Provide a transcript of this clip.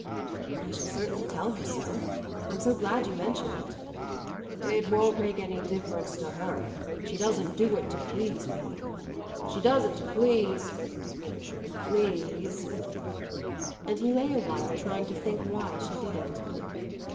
"I shall certainly tell her so; I'm so glad you mention it." "It won't make any difference to her; she doesn't do it to please me. She does it to please to please " And he lay a while trying to think why she did it.